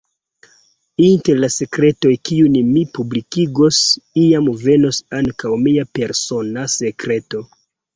Inter la sekretoj kiujn mi publikigos, iam venos ankaŭ mia persona sekreto.